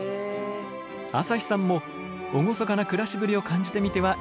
朝日さんも厳かな暮らしぶりを感じてみてはいかがですか？